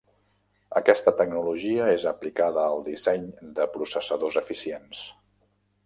Aquesta tecnologia és aplicada al disseny de processadors eficients.